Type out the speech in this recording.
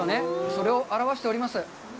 それを表しております。